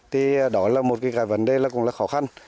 thì đó là một cái vấn đề là cũng là khó khăn